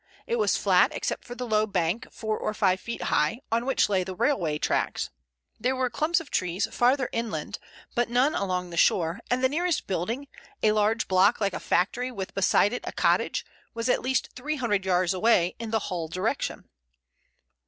It was flat except for the low bank, four or five feet high, on which lay the railway tracks. There were clumps of trees farther inland, but none along the shore, and the nearest building, a large block like a factory with beside it a cottage, was at least three hundred yards away in the Hull direction.